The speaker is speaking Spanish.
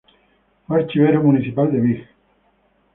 Fue archivero municipal de Vich.